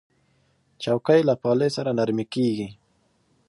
چوکۍ له پالې سره نرمې کېږي.